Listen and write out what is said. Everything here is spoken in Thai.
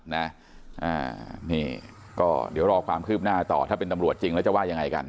นี่ก็เดี๋ยวรอความคืบหน้าต่อถ้าเป็นตำรวจจริงแล้วจะว่ายังไงกัน